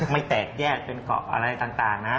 ไม่แตกแยกเป็นเกาะอะไรต่างนะ